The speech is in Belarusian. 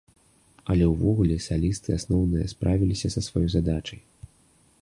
Але ўвогуле салісты асноўныя справіліся са сваёй задачай.